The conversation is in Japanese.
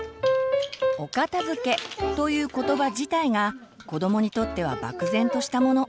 「お片づけ」という言葉自体が子どもにとっては漠然としたもの。